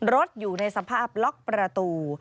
รถอยู่ในสภาพล็อกประตู